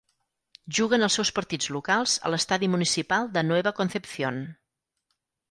Juguen els seus partits locals a l'Estadi Municipal de Nueva Concepción.